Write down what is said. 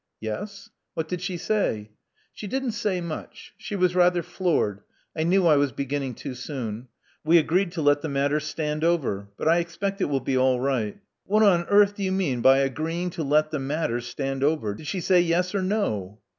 Yes." "What did she say?" She didn't say much. She was rather floored : I knew I was beginning too soon. We agreed to let the matter stand over. But I expect it will be all right." What on earth do you mean by agreeing to let the matter stand over? Did she say yes or no?